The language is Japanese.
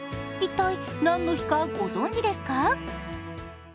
一体、何の日かご存じですか？